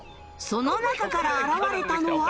その中から現れたのは